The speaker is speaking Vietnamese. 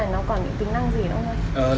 nó còn những tính năng gì nữa không anh